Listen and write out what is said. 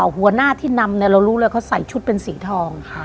หัวหน้าที่นำเนี่ยเรารู้เลยเขาใส่ชุดเป็นสีทอง